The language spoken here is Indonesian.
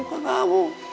ya bukan kamu